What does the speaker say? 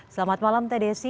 selamat malam teh desi